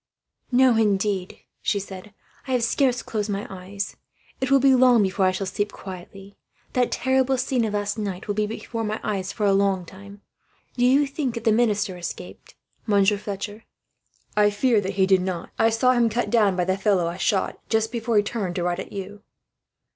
"No, indeed," she said. "I have scarce closed my eyes. It will be long before I shall sleep quietly. That terrible scene of last night will be before my eyes for a long time. Do you think that the minister escaped, Monsieur Fletcher?" "I fear that he did not. I saw him cut down, by the fellow I shot, just before he turned to ride at you."